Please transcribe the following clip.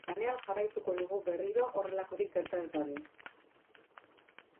Lanean jarraituko dugu berriro horrelakorik gerta ez dadin.